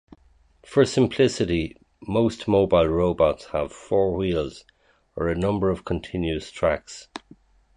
For simplicity most mobile robots have four wheels or a number of continuous tracks.